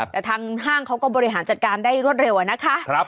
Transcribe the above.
แต่ทางห้างเขาก็บริหารจัดการได้รวดเร็วอะนะคะ